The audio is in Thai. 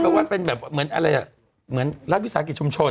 ก็แจ้มประวัตรเป็นแบบแม่นอะไรค่ะเหมือนรัฐวิสาหกีธรรมชน